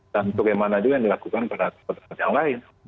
dan untuk yang mana juga yang dilakukan pada tempat yang lain